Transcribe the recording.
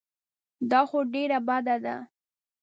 دا خو ډېره بده ده.